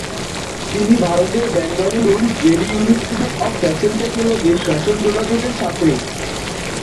তিনি ভারতের বেঙ্গালুরুর জেডি ইনস্টিটিউট অফ ফ্যাশন টেকনোলজির ফ্যাশন যোগাযোগের ছাত্রী।